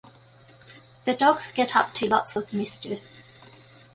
The dogs get up to lots of mischief.